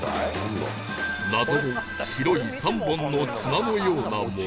謎の白い３本の綱のようなもの